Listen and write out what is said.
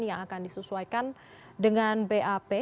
yang akan disesuaikan dengan bap